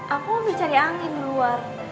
aku lebih cari angin di luar